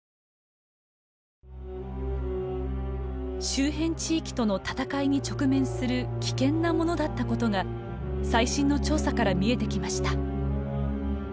周辺地域との戦いに直面する危険なものだったことが最新の調査から見えてきました。